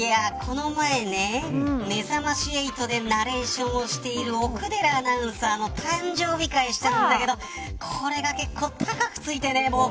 この前ね、めざまし８でナレーションをしている奥寺アナウンサーの誕生日会をしたんだけどこれが結構高くついてね。